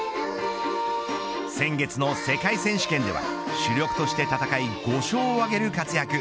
先月の世界選手権では主力として戦い５勝を挙げる活躍。